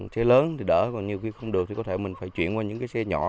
xe lớn thì đỡ còn nhiều khi không được thì có thể mình phải chuyển qua những cái xe nhỏ